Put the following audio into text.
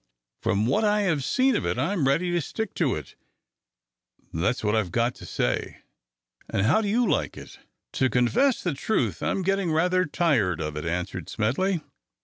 "From what I have seen of it, I am ready to stick to it; that's what I've got to say. And how do you like it?" "To confess the truth, I am getting rather tired of it," answered Smedley.